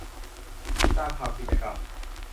ติดตามข่าวกิจกรรม